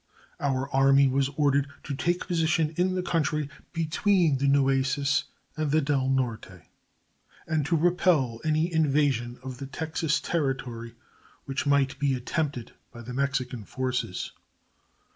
Our Army was ordered to take position in the country between the Nueces and the Del Norte, and to repel any invasion of the Texan territory which might be attempted by the Mexican forces.